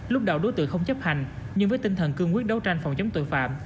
lúc đầu đối tượng không chấp hành nhưng với tinh thần cương quyết đấu tranh phòng chống tội phạm